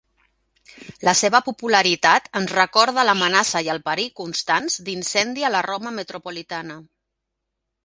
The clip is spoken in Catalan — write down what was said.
La seva popularitat ens recorda l'amenaça i el perill constants d'incendi a la Roma metropolitana.